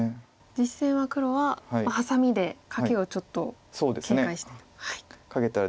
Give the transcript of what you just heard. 実戦は黒はハサミでカケをちょっと警戒してと。